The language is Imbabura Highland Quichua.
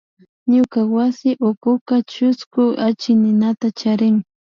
Ñuka wasi ukuka chusku achikninata charin